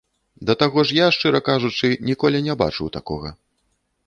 Да таго ж я, шчыра кажучы, ніколі не бачыў такога.